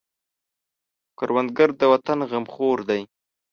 کروندګر د وطن غمخور دی